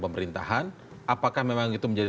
pemerintahan apakah memang itu menjadi